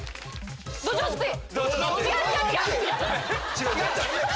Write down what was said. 違う違う！